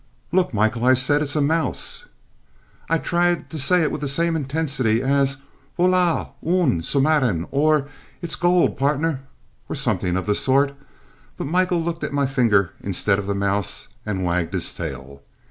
"Look, Michael," I said, "it's a mouse!" I tried to say it with the same intensity as "Voila un sousmarin!" or "It's gold, pardner!" or something of the sort, but Michael looked at my finger instead of the mouse and wagged his tail.